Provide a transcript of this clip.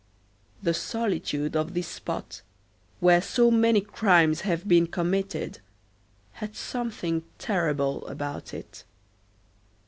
The solitude of this spot, where so many crimes have been committed, had something terrible about it.